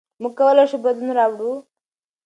موږ کولای شو بدلون راوړو.